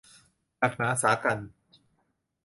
หนักหนาสากรรจ์